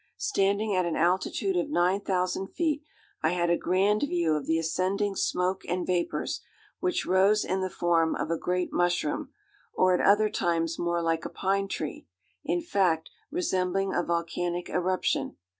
Standing at an altitude of 9000 feet, I had a grand view of the ascending smoke and vapors, which rose in the form of a great mushroom, or at other times more like a pine tree,—in fact, resembling a volcanic eruption.